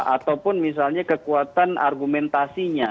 ataupun misalnya kekuatan argumentasinya